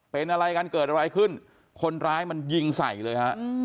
เป็นอะไรกันเกิดอะไรขึ้นคนร้ายมันยิงใส่เลยฮะ